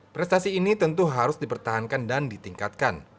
prestasi ini tentu harus dipertahankan dan ditingkatkan